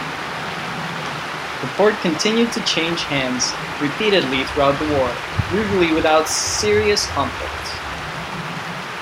The port continued to change hands repeatedly throughout the war, usually without serious conflict.